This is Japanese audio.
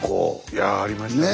いやありましたね。